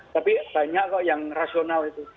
tapi banyak kok yang rasional itu